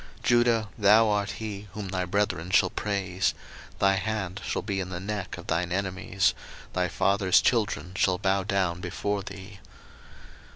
01:049:008 Judah, thou art he whom thy brethren shall praise: thy hand shall be in the neck of thine enemies; thy father's children shall bow down before thee.